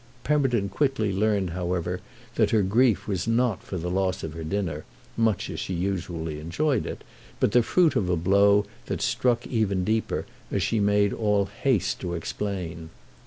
Pemberton quickly learned however that her grief was not for the loss of her dinner, much as she usually enjoyed it, but the fruit of a blow that struck even deeper, as she made all haste to explain.